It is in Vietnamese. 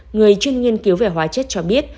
người chuyên nghiên cứu về hóa chất cho biết